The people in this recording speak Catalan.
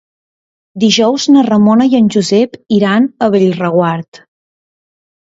Dijous na Ramona i en Josep iran a Bellreguard.